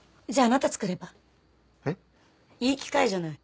いい機会じゃない。